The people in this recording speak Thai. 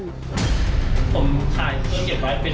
ผมถ่ายเครื่องเกียรตรวายเป็นหักหาดที่เมือง